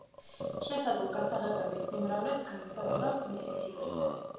შესაძლო გასაღებების სიმრავლეს განსაზღვრავს მისი სიგრძე.